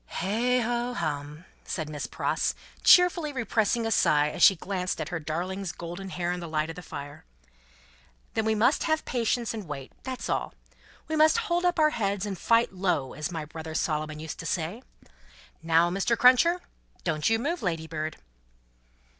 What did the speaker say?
"Heigh ho hum!" said Miss Pross, cheerfully repressing a sigh as she glanced at her darling's golden hair in the light of the fire, "then we must have patience and wait: that's all. We must hold up our heads and fight low, as my brother Solomon used to say. Now, Mr. Cruncher! Don't you move, Ladybird!"